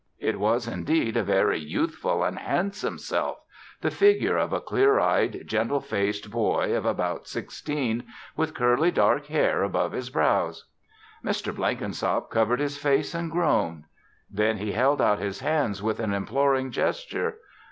It was, indeed, a very youthful and handsome Self the figure of a clear eyed, gentle faced boy of about sixteen with curly, dark hair above his brows. Mr. Blenkinsop covered his face and groaned. Then he held out his hands with an imploring gesture.